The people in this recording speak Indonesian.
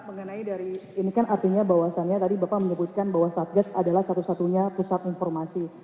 mengenai dari ini kan artinya bahwasannya tadi bapak menyebutkan bahwa satgas adalah satu satunya pusat informasi